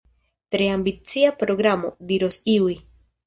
Tre ambicia programo, diros iuj.